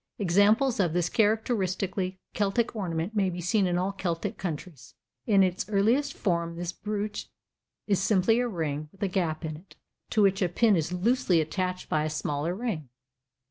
Examples of this characteristically Celtic ornament may be seen in all Celtic countries. In its earliest form this brooch is simply a ring, with a gap in it, to which a pin is loosely attached by a smaller ring.